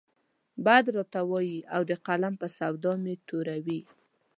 بد راته وايي او د قلم په سودا مې توره وي.